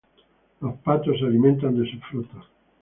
Los patos se alimentan de sus frutos.